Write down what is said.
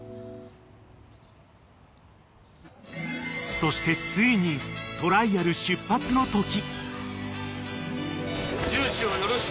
［そしてついにトライアル出発のとき］